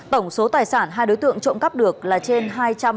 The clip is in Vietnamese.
tổng số tài sản hai đối tượng trộm cắp được là trên hai trăm năm mươi triệu đồng